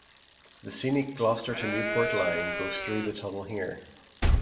The scenic Gloucester to Newport Line goes through the tunnel here.